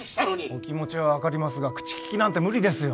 お気持ちは分かりますが口利きなんて無理ですよ